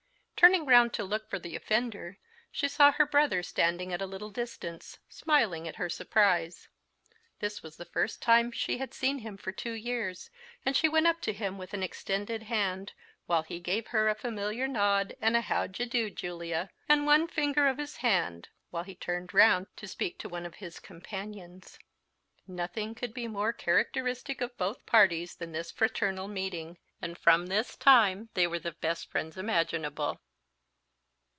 Turning round to look for the offender, she saw her brother standing at a little distance, smiling at her surprise. This was the first time she had seen him for two years, and she went up to him with an extended hand, while he gave her a familiar nod, and a "How d'ye do, Julia?" and one finger of his hand, while he turned round to speak to one of his companions. Nothing could be more characteristic of both parties than this fraternal meeting; and from this time they were the best friends imaginable.